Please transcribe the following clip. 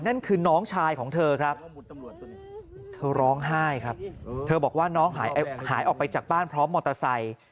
นั่นคือน้องชายของเธอครับเธอร้องไห้ครับเธอบอกว่าน้องหายออกไปจากบ้านพร้อมมอเตอร์ไซค์